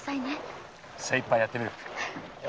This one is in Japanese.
精いっぱいやってみる。